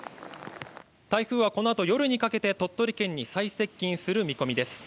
台風はこのあと夜にかけて、鳥取県に最接近する見込みです。